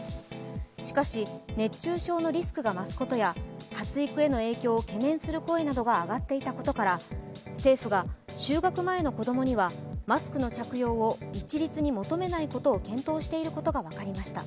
しかし、熱中症のリスクが増すことや発育への影響を懸念する声が上がっていたことなどから政府が就学前の子供にはマスクの着用を一律に求めないことを検討していることが分かりました。